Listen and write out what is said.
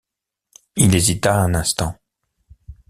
Il hésita un instant.